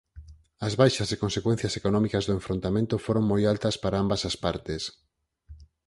As baixas e consecuencias económicas do enfrontamento foron moi altas para ambas as partes.